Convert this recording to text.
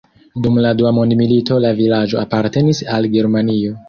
Dum la Dua Mondmilito la vilaĝo apartenis al Germanio.